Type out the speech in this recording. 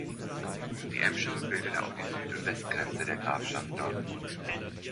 Die Emscher bildete auch die Süd- und Westgrenze der Grafschaft Dortmund.